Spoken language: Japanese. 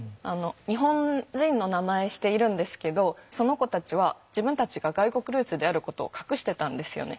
日本人の名前しているんですけどその子たちは自分たちが外国ルーツであることを隠してたんですよね。